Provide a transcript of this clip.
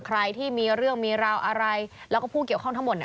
ใครที่มีเรื่องมีราวอะไรแล้วก็ผู้เกี่ยวข้องทั้งหมดเนี่ย